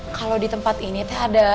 kalo ditempat ini teh ada